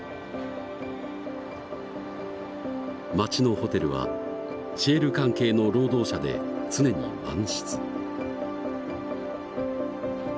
町のホテルはシェール関係の労働者で常に満室。